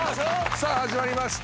さあ始まりました。